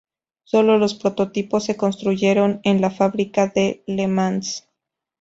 Solo los prototipos se construyeron en la fábrica de Le Mans.